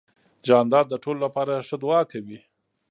جانداد د ټولو لپاره ښه دعا کوي.